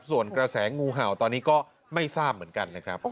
ส่วนกระแสงูเห่าตอนนี้ก็ไม่ทราบเหมือนกันนะครับ